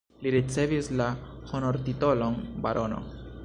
Li ricevis la honortitolon barono.